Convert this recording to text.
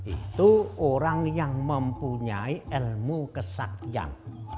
itu orang yang mempunyai ilmu kesaktian